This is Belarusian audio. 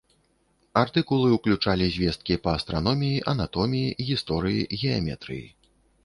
Артыкулы ўключалі звесткі па астраноміі, анатоміі, гісторыі, геаметрыі.